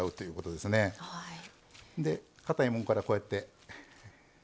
でかたいもんからこうやって入れていくと。